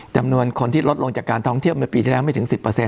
จำนวนคนที่ลดลงจากการท้องเที่ยวในปีแรกไม่ถึง๑๐